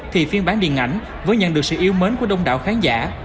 thì phiên bản điện ảnh vẫn nhận được sự yêu mến của đông đảo khán giả